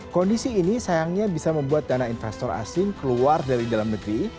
kondisi ini sayangnya bisa membuat dana investor asing keluar dari dalam negeri